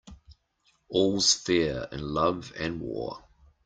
All's fair in love and war.